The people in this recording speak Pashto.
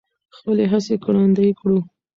خپلې هڅې ګړندۍ کړو.